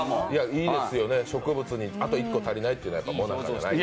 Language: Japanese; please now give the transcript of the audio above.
いいですよね、植物にあと１個足りないというのがもなかちゃんと。